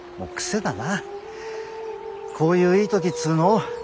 こういういい時っつうの？